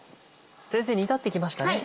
先生煮立ってきましたね。